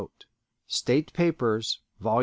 ("State Papers," vol.